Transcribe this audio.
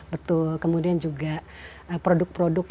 betul kemudian juga produk produk